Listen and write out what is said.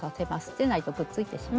でないとくっついてしまいます。